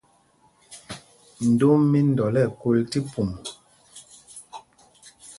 Ndom mí Ndɔl ɛ kul tí pum.